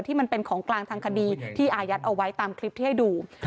มันเป็นของกลางทางคดีที่อายัดเอาไว้ตามคลิปที่ให้ดู